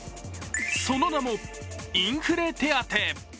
その名もインフレ手当。